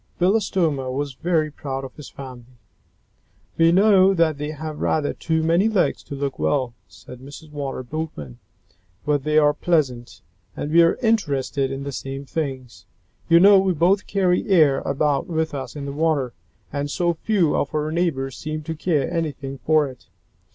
Belostoma was very proud of his family. "We know that they have rather too many legs to look well," said Mrs. Water Boatman, "but they are pleasant, and we are interested in the same things. You know we both carry air about with us in the water, and so few of our neighbors seem to care anything for it."